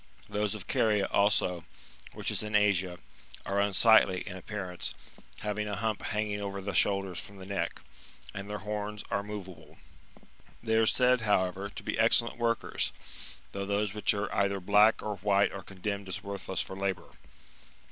Those of Caria also, which is in Asia, are un sightly^^ in appearance, having a hump hanging over the shoulders from the neck ; and their horns are moveable f they are said, however, to be excellent workers, though those which are either black or white are condemned as worthless for labour.